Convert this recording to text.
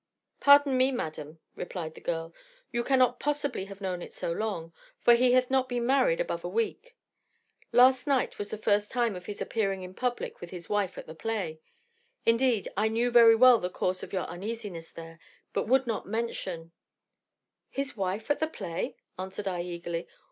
"'Pardon me, madam,' replied the girl, 'you cannot possibly have known it so long, for he hath not been married above a week; last night was the first time of his appearing in public with his wife at the play. Indeed, I knew very well the cause of your uneasiness there; but would not mention ' "His wife at the play? answered I eagerly.